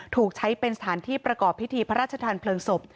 ถูกใช้เป็นสถานที่ประกอบพิธีพระราชทานเพลิงศพ